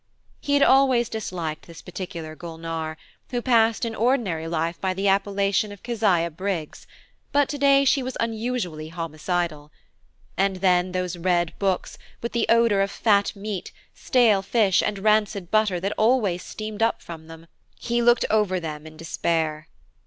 He had always disliked this particular Gulnare, who passed in ordinary life by the appellation of Keziah Briggs; but to day she was unusually homicidal. And then those red books, with the odour of fat meat, stale fish and rancid butter that always steams up from them–he looked over them in despair.